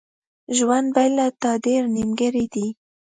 ژوند بیله تا ډیر نیمګړی دی.